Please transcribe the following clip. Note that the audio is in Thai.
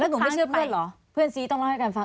หนูไม่เชื่อเพื่อนเหรอเพื่อนซีต้องเล่าให้กันฟัง